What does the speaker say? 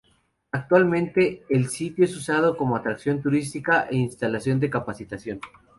Actualmente, el sitio es usado como atracción turística e instalación de capacitación.